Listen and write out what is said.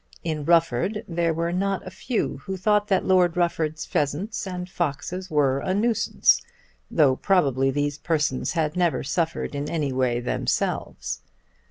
In Rufford there were not a few who thought that Lord Rufford's pheasants and foxes were a nuisance, though probably these persons had never suffered in any way themselves.